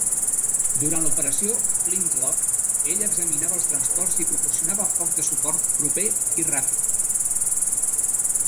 Durant l'operació "Flintlock", ella examinava els transports i proporcionava foc de suport proper i ràpid.